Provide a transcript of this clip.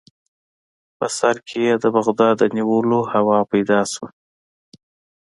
په سر کې یې د بغداد د نیولو هوا پیدا شوه.